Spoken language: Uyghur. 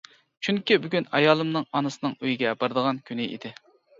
چۈنكى بۈگۈن ئايالىمنىڭ ئانىسىنىڭ ئۆيىگە بارىدىغان كۈنى ئىدى.